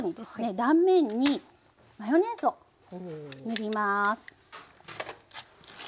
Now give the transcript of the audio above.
断面にマヨネーズを塗ります。